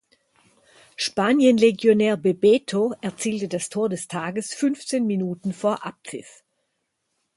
Spanien-Legionär Bebeto erzielte das Tor des Tages fünfzehn Minuten vor Abpfiff.